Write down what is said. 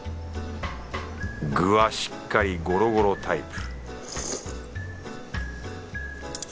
具はしっかりゴロゴロタイプ